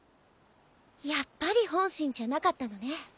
やっぱり本心じゃなかったのね。